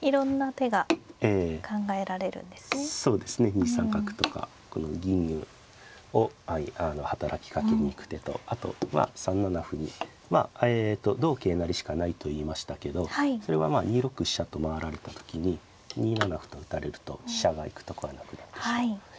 ２三角とかこの銀を働きかけに行く手とあとまあ３七歩にまあ同桂成しかないと言いましたけどそれはまあ２六飛車と回られた時に２七歩と打たれると飛車が行くとこがなくなってしまう。